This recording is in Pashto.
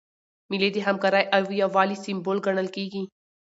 مېلې د همکارۍ او یووالي سمبول ګڼل کېږي.